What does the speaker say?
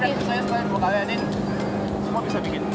saya yang buduh misalnya sekolah kuliah ini semua bisa bikin